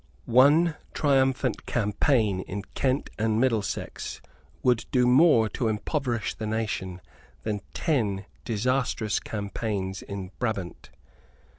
One triumphant campaign in Kent and Middlesex would do more to impoverish the nation than ten disastrous campaigns in Brabant.